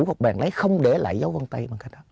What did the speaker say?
học bàn lấy không để lại dấu văn tay